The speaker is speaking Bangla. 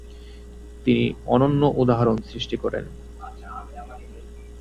তিনি অনন্য উদাহরণ সৃষ্টি করেন।